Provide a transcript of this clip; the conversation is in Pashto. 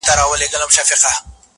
له خپل یار سره روان سو دوکاندار ته،